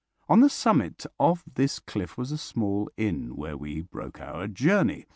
On the summit of this cliff was a small inn, where we broke our journey.